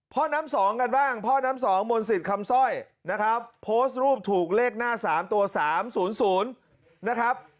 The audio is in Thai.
พ่อน้ำสองกันบ้างพ่อน้ำสองมนต์สิทธิ์คำสร้อยนะครับโพสต์รูปถูกเลขหน้า๓ตัว๓๐๐นะครับ